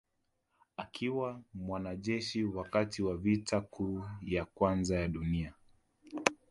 Akiwa mwanajeshi wakati wa vita kuu ya kwanza ya dunia